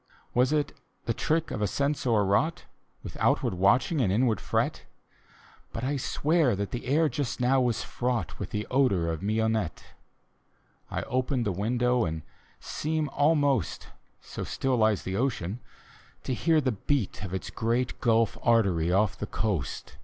Was it the trick of a sense o'erwroi^ht With outward watching and inward fret? But I swear that the air just now was fraught With the odor of mignonette I I open the window and seem almost — So still lies the ocean — to hear the beat Of its great Gulf Artery off the coast.